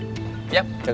cctv diawasin semua pak